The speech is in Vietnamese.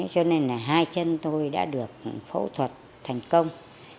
cho nên là hai chân tôi đã được phẫu thuật thành công